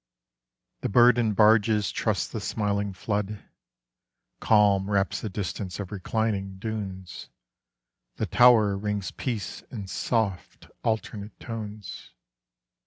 The burdened barges trust the smiling flood, Calm wraps the distance of reclining dunes, The tower rings peace in soft alternate tones.